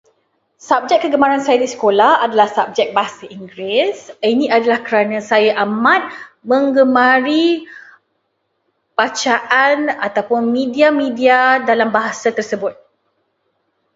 Subjek kegemaran saya di sekolah adalah subjek Bahasa Inggeris. Ini adalah kerana saya amat menggemari bacaan ataupun media-media dalam bahasa tersebut.